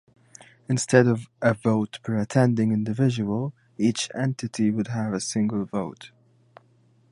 Instead of a vote per attending individual, each entity would have a single vote.